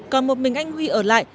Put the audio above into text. còn một mình anh huy ở lại